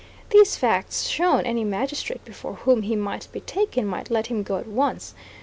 These facts shown, any magistrate before whom he might be taken, must let him go at once.